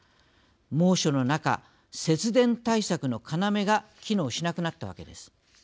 猛暑の中、節電対策の要が機能しなくなったわけです。